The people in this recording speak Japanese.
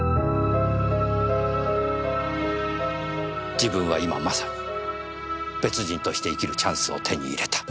自分は今まさに別人として生きるチャンスを手に入れた。